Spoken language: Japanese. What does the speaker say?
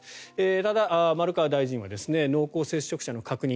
ただ、丸川大臣は濃厚接触者の確認